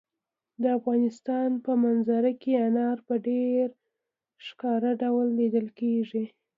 د افغانستان په منظره کې انار په ډېر ښکاره ډول لیدل کېږي.